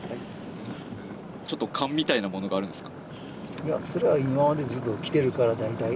ちょっと勘みたいなものがあるんですか？